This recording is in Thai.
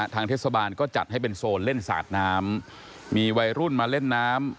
ทางเทศบาลก็จัดให้เป็นโซนเล่นสาดน้ำมีวัยรุ่นมาเล่นน้ำ